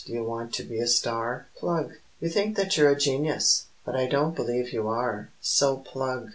Do you want to be a star? Plug! You may think that you're a genius, but I don't believe you are, So plug!